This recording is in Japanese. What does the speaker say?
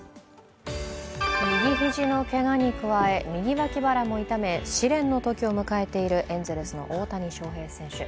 右肘のけがに加え、右脇腹も痛め試練のときを迎えているエンゼルスの大谷翔平選手。